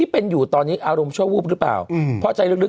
๑๔ปี